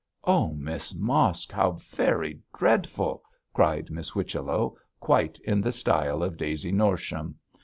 'Oh, Miss Mosk, how very dreadful!' cried Miss Whichello, quite in the style of Daisy Norsham.